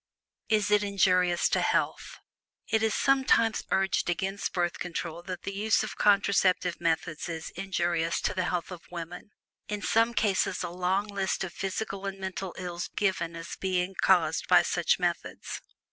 IS IT INJURIOUS TO HEALTH? It is sometimes urged against Birth Control that the use of contraceptive methods is injurious to the health of women, in some cases a long list of physical and mental ills being given as possible of being caused by such methods.